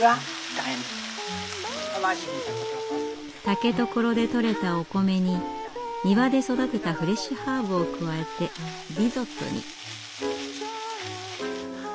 竹所でとれたお米に庭で育てたフレッシュハーブを加えてリゾットに。